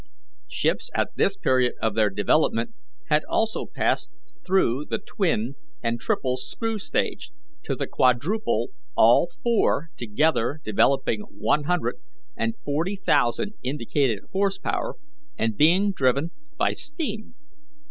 "Ships at this period of their development had also passed through the twin and triple screw stage to the quadruple, all four together developing one hundred and forty thousand indicated horse power, and being driven by steam.